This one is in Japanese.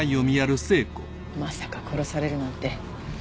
まさか殺されるなんて。